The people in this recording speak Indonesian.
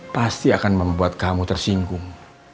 pasti akan membuat kamu tersinggung